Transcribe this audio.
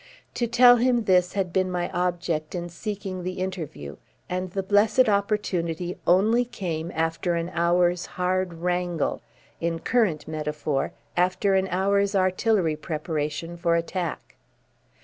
To tell him this had been my object in seeking the interview, and the blessed opportunity only came after an hour's hard wrangle in current metaphor after an hour's artillery preparation for attack.